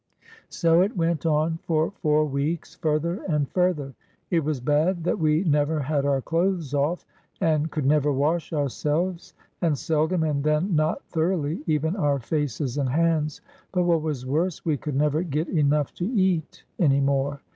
So it went on for four weeks, further and further. It was bad that we never had our clothes off and could never wash ourselves, and seldom, and then not thor oughly, even our faces and hands; but what was worse, we could never get enough to eat any more.